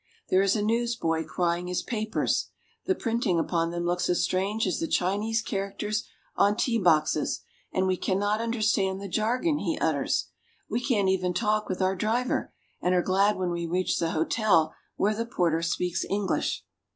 There is a newsboy crying his papers. The printing upon them looks as strange as the Chinese characters on tea boxes, and we cannot understand the jargon he utters. We can't talk even with our driver, and are glad when we reach the hotel, where the porter speaks English.